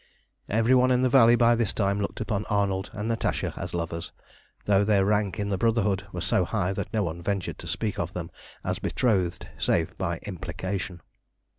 Every one in the valley by this time looked upon Arnold and Natasha as lovers, though their rank in the Brotherhood was so high that no one ventured to speak of them as betrothed save by implication.